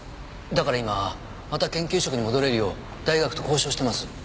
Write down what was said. だから今また研究職に戻れるよう大学と交渉してます。